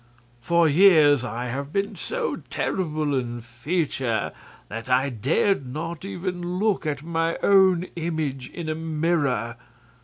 For years I have been so terrible in feature that I dared not even look at my own image in a mirror.